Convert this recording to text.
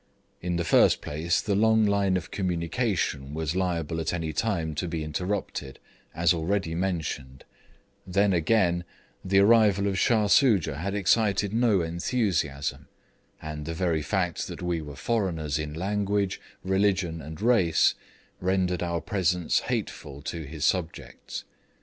In the first place, the long line of communication was liable at any time to be interrupted, as already mentioned; then, again, the arrival of Shah Soojah had excited no enthusiasm; and the very fact that we were foreigners in language, religion and race, rendered our presence hateful to his subjects.